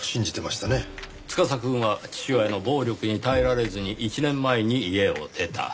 司くんは父親の暴力に耐えられずに１年前に家を出た。